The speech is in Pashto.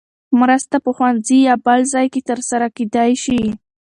مرسته په ښوونځي یا بل ځای کې ترسره کېدای شي.